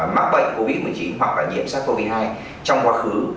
mắc bệnh covid một mươi chín hoặc là nhiễm sars cov hai trong quá khứ